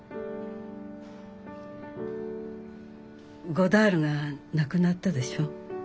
ゴダールが亡くなったでしょ？